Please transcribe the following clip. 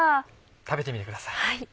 食べてみてください。